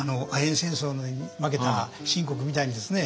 戦争に負けた清国みたいにですね